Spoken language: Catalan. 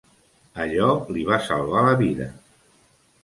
Allò li va salvar la vida.